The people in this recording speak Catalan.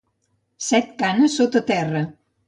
Set canes sota terra.